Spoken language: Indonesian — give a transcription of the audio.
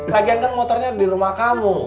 lagian kan motornya di rumah kamu